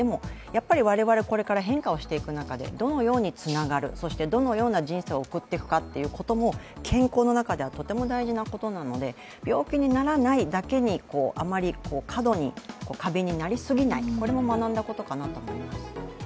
我々これから変化していく中でどのようにつながる、そしてどのような人生を送っていくかということも健康の中ではとても大事なことなので「病気にならない」だけにあまり過度に過敏になりすぎないということも学んだことかなと思います。